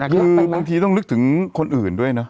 คือบางทีต้องนึกถึงคนอื่นด้วยนะ